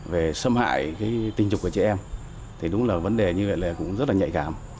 về xâm hại tình dục của trẻ em thì đúng là vấn đề như vậy là cũng rất là nhạy cảm